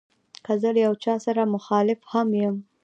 که زه له یو چا سره مخالف هم یم.